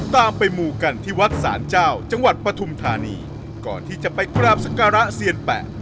ตามไปหมู่กันที่วัดศาลเจ้าจังหวัดปฐุมธานีก่อนที่จะไปกราบสการะเซียนแปะ